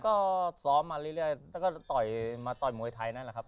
ก็ซ้อมมาเรื่อยแล้วก็ต่อยมาต่อยมวยไทยนั่นแหละครับ